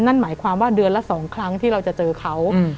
นั่นหมายความว่าเดือนละ๒ครั้งที่เราจะเจอเขา